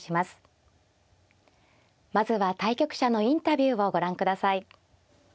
まずは対局者のインタビューをご覧ください。